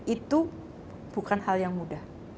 itu bukan hal yang mudah